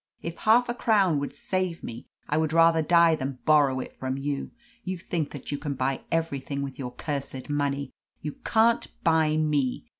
If half a crown would save me, I would rather die than borrow it from you. You think that you can buy everything with your cursed money. You can't buy me.